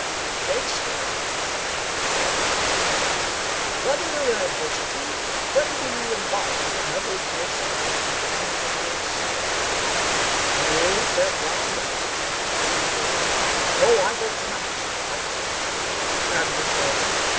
'" "Shakespeare," said Adams, at a venture. Wilson turned to Rob. "Brother in adversity, when do you embark another Jason on an untried sea?" "Hay!" said Rob, winking at Seagraves. "Oh, I go to night night train." "And return?"